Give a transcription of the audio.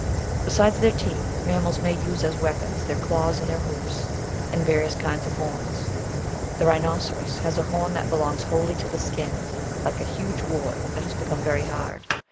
Besides their teeth mammals may use as weapons their claws and their hoofs, and various kinds of horns. The Rhinoceros has a horn that belongs wholly to the skin — like a huge wart that has become very hard.